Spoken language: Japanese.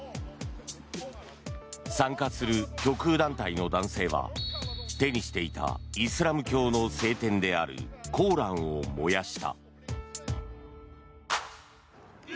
参加する極右団体の男性は手にしていたイスラム教の聖典であるコーランを燃やした。